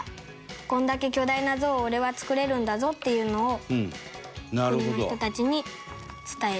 これだけ巨大な像を俺は作れるんだぞっていうのを国の人たちに伝える。